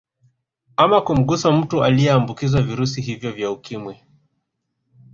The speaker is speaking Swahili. Ama kumgusa mtu aliyeambukizwa virusi hivyo vya ukimwi